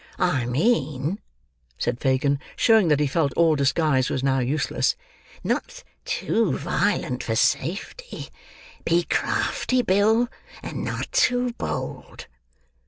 "I mean," said Fagin, showing that he felt all disguise was now useless, "not too violent for safety. Be crafty, Bill, and not too bold."